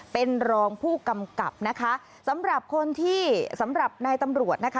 เป็นรองผู้กำกับนะคะสำหรับคนที่สำหรับนายตำรวจนะคะ